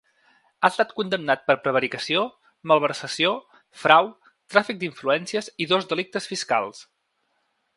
Ha estat condemnat per prevaricació, malversació, frau, tràfic d’influències i dos delictes fiscals.